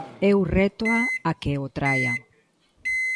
Eu rétoa a que o traia.